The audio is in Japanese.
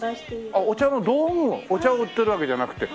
あっお茶の道具をお茶を売ってるわけじゃなくて。